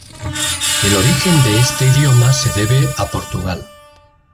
El origen de este idioma se debe a Portugal.